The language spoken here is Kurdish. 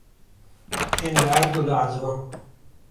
Yên li erd û li ezman.